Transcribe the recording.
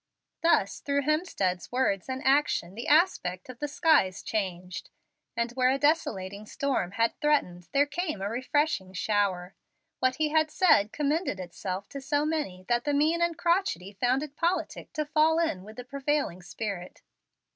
Thus through Hemstead's words and action the aspect of the skies changed, and where a desolating storm had threatened there came a refreshing shower. What he had said commended itself to so many that the mean and crotchety found it politic to fall in with the prevailing spirit.